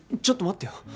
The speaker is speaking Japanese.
ちょっと待ってよ。